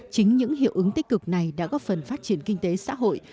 chính những hiệu ứng tích cực này đã góp phần phát triển kinh tế xã hội